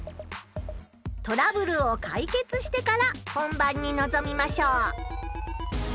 トラブルをかいけつしてから本番にのぞみましょう。